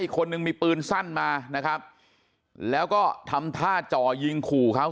อีกคนนึงมีปืนสั้นมานะครับแล้วก็ทำท่าจ่อยิงขู่เขา